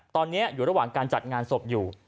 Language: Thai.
ตอนนี้อยู่ระหว่างการจัดงานศพอยู่